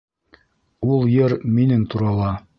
Ул йыр минең турала.